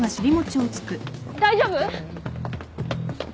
大丈夫？